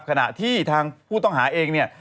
ขณะที่ทางผู้ต้องหาเองเนี่ย